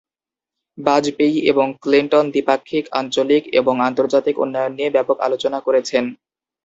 বাজপেয়ী এবং ক্লিনটন দ্বিপাক্ষিক, আঞ্চলিক এবং আন্তর্জাতিক উন্নয়ন নিয়ে ব্যাপক আলোচনা করেছেন।